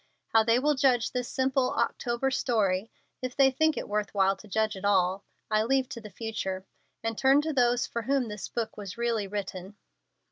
How they will judge this simple October story (if they think it worth while to judge it at all) I leave to the future, and turn to those for whom the book was really written.